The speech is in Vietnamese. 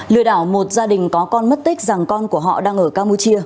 lừa đảo một gia đình có con mất tích rằng con của họ đang ở campuchia